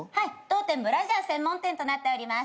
当店ブラジャー専門店となっております。